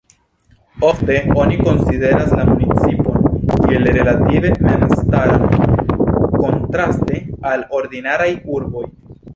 Ofte oni konsideras la municipon kiel relative memstaran, kontraste al ordinaraj urboj.